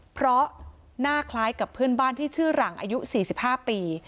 เพราะหน้าคล้ายกับเพื่อนบ้านที่ชื่อหลังอายุ๔๕ปี